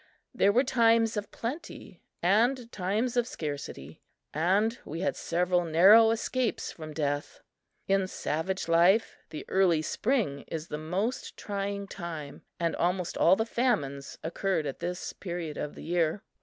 There were times of plenty and times of scarcity, and we had several narrow escapes from death. In savage life, the early spring is the most trying time and almost all the famines occurred at this period of the year.